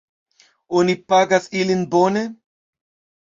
Oni pagas ilin bone?